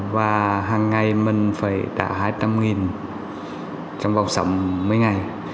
và hàng ngày mình phải trả hai trăm linh trong vòng sáu mươi ngày